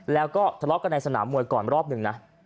แล้วก็ถอดกันแลสนามอยากรถหนึ่งนะ